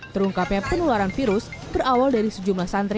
terungkapnya penularan virus berawal dari sejumlah santri